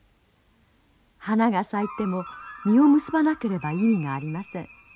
花が咲いても実を結ばなければ意味がありません。